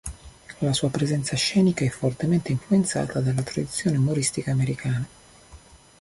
La sua presenza scenica è fortemente influenzata dalla tradizione umoristica americana.